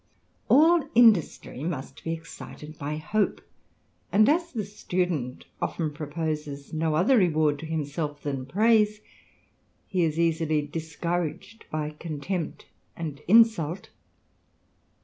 All industry must be excited by hope ; and as the student often proposes no other reward to himself than praise, he is easily discouraged by contempt and insult.